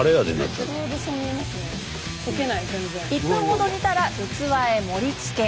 １分ほど煮たら器へ盛りつけ。